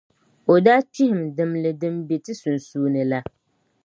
o daa kpihim dimli din be ti sunsuuni la.